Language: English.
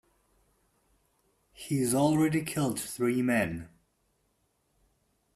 He's already killed three men.